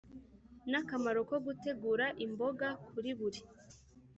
nakamaro ko gutegura imboga kuri buri